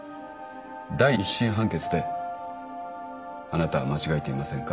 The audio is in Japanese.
第一審判決であなたは間違えていませんか。